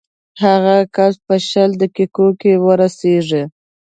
هغه کس به شل دقیقو کې ورسېږي.